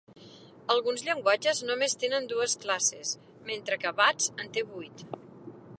Alguns llenguatges només tenen dues classes, mentre que Bats en té vuit.